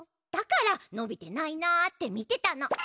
だからのびてないなって見てたの。